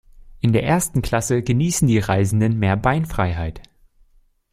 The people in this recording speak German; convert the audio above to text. In der ersten Klasse genießen die Reisenden mehr Beinfreiheit.